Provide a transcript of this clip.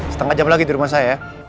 setengah jam lagi di rumah saya